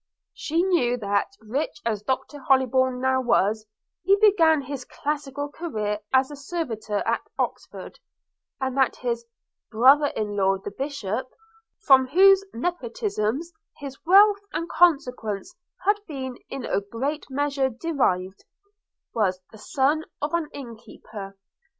She knew that, rich as Doctor Hollybourn now was, he began his classical career as a servitor at Oxford; and that his 'brother in law the bishop,' from whose nepotism his wealth and consequence had been in a great measure derived, was the son of an innkeeper.